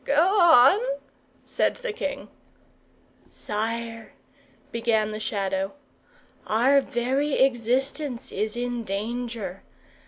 "Go on," said the king. "Sire," began the Shadow, "our very existence is in danger.